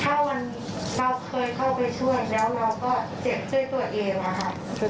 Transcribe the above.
ถ้าเราเคยเข้าไปช่วยแล้วเราก็เจ็บด้วยตัวเองอะค่ะ